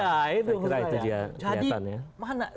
saya kira itu dia kelihatannya